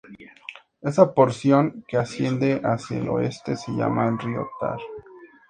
Esa porción que asciende hacia el oeste, se llama el río Tar.